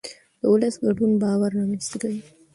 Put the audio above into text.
د ولس ګډون باور رامنځته کوي